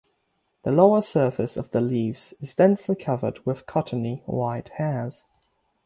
The lower surface of the leaves is densely covered with cottony white hairs.